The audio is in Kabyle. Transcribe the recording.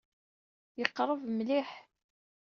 Yeqreb mliḥ.